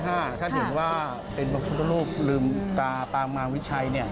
ถ้าท่านเห็นว่าเป็นพระพุทธรูปลืมตาปางมาวิชัย